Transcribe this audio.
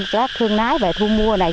các thương nái về thu mua này